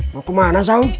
mau ke mana saul